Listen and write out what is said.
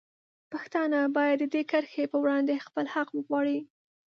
پښتانه باید د دې کرښې په وړاندې خپل حق وغواړي.